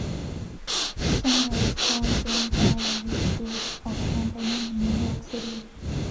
Sunrise sold them to The Wicks Group of Companies of New York City.